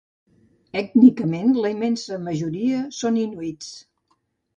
Ètnicament, la immensa majoria són inuits.